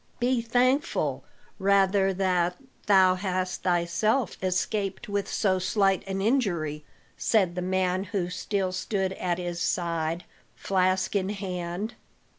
"Be thankful rather that thou hast thyself escaped with so slight an injury," said the man who still stood at his side, flask in hand.